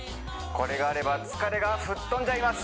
これがあればふとれが吹っ飛んじゃいます